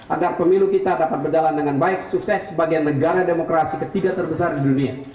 agar pemilu kita dapat berjalan dengan baik sukses sebagai negara demokrasi ketiga terbesar di dunia